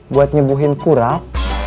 buat nyebuhin kurab